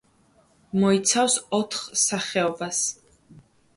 მოიცავს ოთხ სახეობას.